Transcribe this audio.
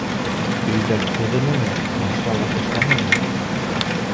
Өйҙәр төҙөнөңмө, машиналар эшләнеңме?